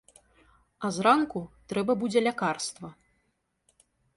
А зранку трэба будзе лякарства.